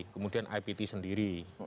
kemudian ipt sendiri